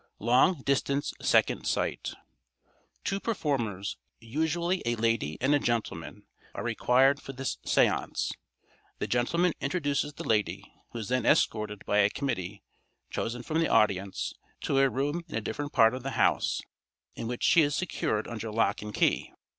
Long distance Second Sight.—Two performers, usually a lady and a gentleman, are required for this seance. The gentleman introduces the lady, who is then escorted by a committee, chosen from the audience, to a room in a different part of the house, in which she is secured under lock and key.